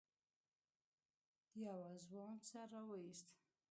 يوه ځوان سر راويست.